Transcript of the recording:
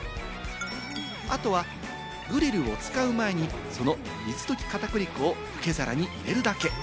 あとはグリルを使う前に、その水溶き片栗粉を受け皿に入れるだけ。